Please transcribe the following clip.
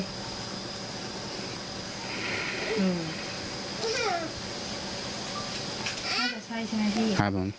น่าจะใช่ใช่ไหมพี่